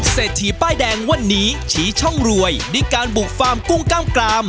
เศรษฐีป้ายแดงวันนี้ชี้ช่องรวยด้วยการบุกฟาร์มกุ้งกล้ามกราม